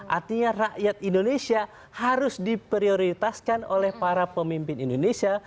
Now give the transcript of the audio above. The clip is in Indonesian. artinya rakyat indonesia harus diprioritaskan oleh para pemimpin indonesia